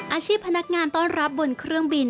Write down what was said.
อาชีพพนักงานต้อนรับบนเครื่องบิน